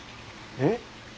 えっ！？